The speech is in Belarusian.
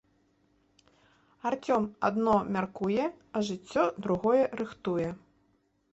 Арцём адно мяркуе, а жыццё другое рыхтуе.